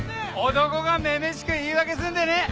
男が女々しく言い訳すんでねえ。